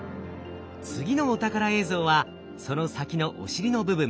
次のお宝映像はその先のお尻の部分。